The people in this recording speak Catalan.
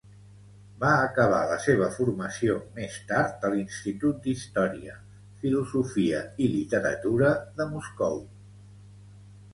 Va acabar la seva formació més tard a l'Institut d'Història, Filosofia i Literatura de Moscou.